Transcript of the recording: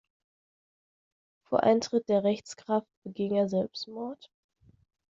Vor Eintritt der Rechtskraft beging er Selbstmord.